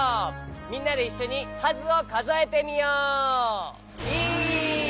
みんなでいっしょにかずをかぞえてみよう。